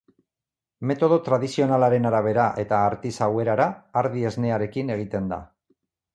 Metodo tradizionalaren arabera eta artisau erara ardi esnearekin egiten da.